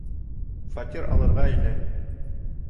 Фатир алырға ине